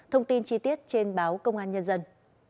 thông tin chi tiết trên báo công an nhân dân